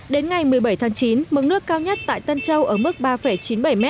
đến ngày một mươi bảy tháng chín mực nước cao nhất tại tân châu ở mức ba chín mươi bảy m